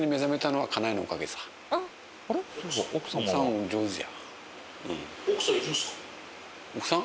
奥さん上手や。